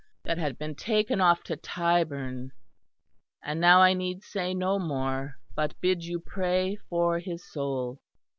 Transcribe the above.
that had been taken off to Tyburn. And now I need say no more, but bid you pray for his soul."